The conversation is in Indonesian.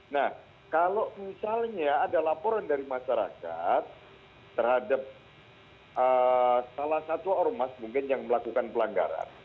nah kalau misalnya ada laporan dari masyarakat terhadap salah satu ormas mungkin yang melakukan pelanggaran